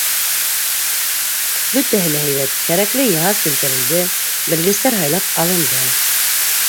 — Бөтәһе лә һәйбәт, кәрәкле йыһаз килтерелде, белгестәр һайлап алынды.